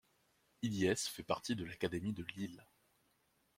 Illies fait partie de l'académie de Lille.